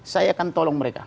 saya akan tolong mereka